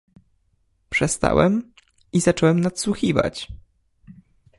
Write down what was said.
"Przestałem i zacząłem nadsłuchiwać."